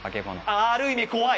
あぁある意味怖い！